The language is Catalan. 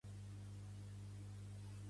Pertany al moviment independentista l'Agustí?